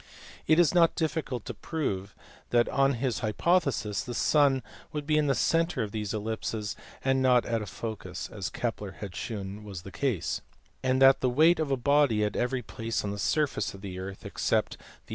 It is not difficult to prove that on his hypotheses the sun would be in the centre of these ellipses and not at a focus (as Kepler had shewn was the case), and that the weight of a body at every place on the surface of the earth except the CAVALIERI.